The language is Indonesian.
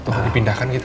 atau dipindahkan gitu